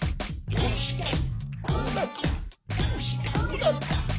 どうしてこうなった？」